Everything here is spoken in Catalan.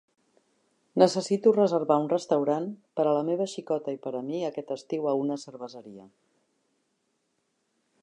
Necessito reservar un restaurant per a la meva xicota i per a mi aquest estiu a una cerveseria